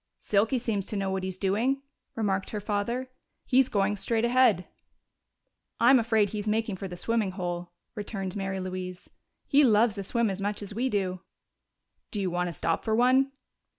"Silky seems to know what he's doing," remarked her father. "He's going straight ahead." "I'm afraid he's making for the swimming hole," returned Mary Louise. "He loves a swim as much as we do." "Do you want to stop for one?"